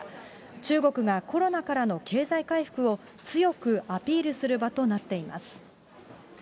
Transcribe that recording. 中国がコロナからの経済回復を強くアピールする場となっています。